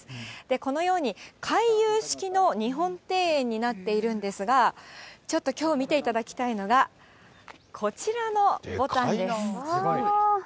このように、回遊式の日本庭園になっているんですが、ちょっときょう見ていただきたいのが、でかいな。